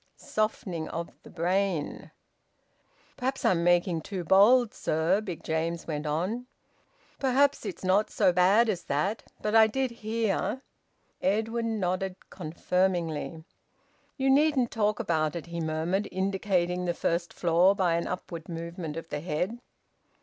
Softening of the brain! "Perhaps I'm making too bold, sir," Big James went on. "Perhaps it's not so bad as that. But I did hear " Edwin nodded confirmingly. "You needn't talk about it," he murmured, indicating the first floor by an upward movement of the head.